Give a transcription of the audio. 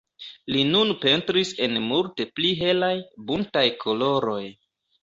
Li nun pentris en multe pli helaj, buntaj koloroj.